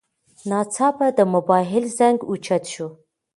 ناڅاپه د موبایل زنګ اوچت شو.